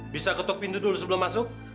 bisa ketuk pintu dulu sebelum masuk